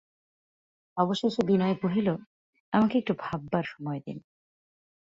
অবশেষে বিনয় কহিল, আমাকে একটু ভাববার সময় দিন।